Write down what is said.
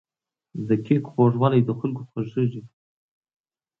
د کیک خوږوالی د خلکو خوښیږي.